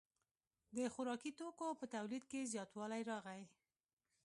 د خوراکي توکو په تولید کې زیاتوالی راغی.